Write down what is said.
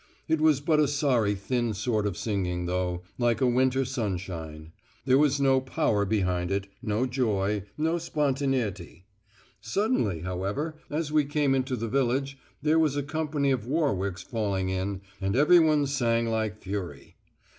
It was but a sorry thin sort of singing though, like a winter sunshine; there was no power behind it, no joy, no spontaneity. Suddenly, however, as we came into the village, there was a company of the Warwicks falling in, and everyone sang like fury.